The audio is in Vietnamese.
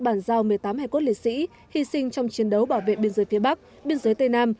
bàn giao một mươi tám hải cốt liệt sĩ hy sinh trong chiến đấu bảo vệ biên giới phía bắc biên giới tây nam